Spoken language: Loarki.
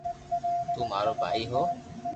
تو مارو ڀائي ھو